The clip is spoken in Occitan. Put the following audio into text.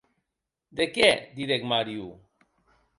De qué?, didec Mario.